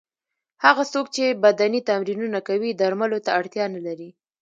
هغه څوک چې بدني تمرینونه کوي درملو ته اړتیا نه لري.